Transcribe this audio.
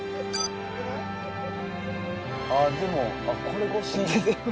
あっでもあっこれ越し。